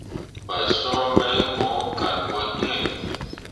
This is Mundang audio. Fasǝǝni mai mo kan ɓo iŋ.